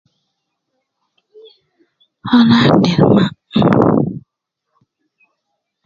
Ana agder ma, mh